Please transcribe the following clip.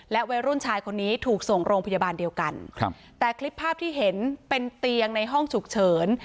วัยรุ่นชายคนนี้ถูกส่งโรงพยาบาลเดียวกันครับแต่คลิปภาพที่เห็นเป็นเตียงในห้องฉุกเฉิน